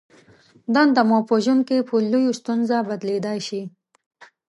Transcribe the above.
دنده مو په ژوند کې په لویې ستونزه بدلېدای شي.